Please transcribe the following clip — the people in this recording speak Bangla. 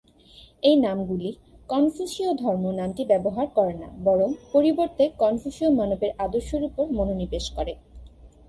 এই নামগুলি "কনফুসিয় ধর্ম" নামটি ব্যবহার করে না, বরং পরিবর্তে কনফুসিয় মানবের আদর্শের উপর মনোনিবেশ করে।